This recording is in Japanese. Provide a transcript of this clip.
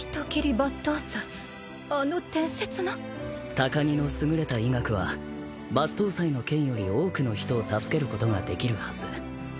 高荷の優れた医学は抜刀斎の剣より多くの人を助けることができるはず。